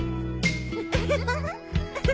ウフフフ。